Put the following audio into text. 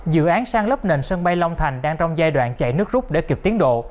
dự án sang lấp nền sân bay long thành đang trong giai đoạn chạy nước rút để kịp tiến độ